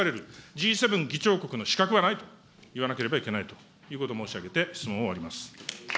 Ｇ７議長国の資格はないと言わなければいけないということを申し上げて、質問を終わります。